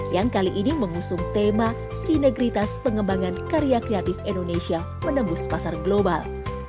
yang kali ini mengusung tema sinergitas pengembangan karya kreatif indonesia menembus pasar global